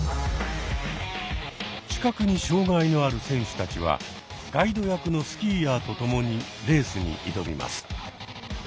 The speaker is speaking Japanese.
視覚に障害のある選手たちはガイド役のスキーヤーとともにレースに挑みます。